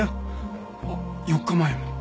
あっ４日前も。